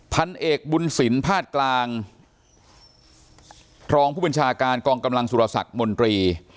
พันเอกบุญสินภาคกลางรองผู้บัญชาการกองกำลังสุรศักดิ์มนตรี